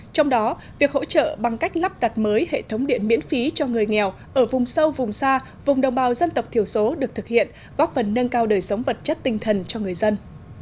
trong đó việc hỗ trợ bằng cách lắp đặt mới hệ thống điện miễn phí cho người nghèo ở vùng sâu vùng xa vùng đồng bào dân tộc thiểu số được thực hiện góp phần nâng cao đời sống vật chất tinh thần cho người dân